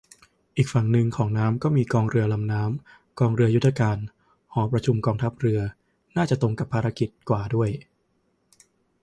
อีกฝั่งนึงของน้ำก็มีกองเรือลำน้ำ กองเรือยุทธการ หอประชุมกองทัพเรือ น่าจะตรงกับภารกิจกว่าด้วย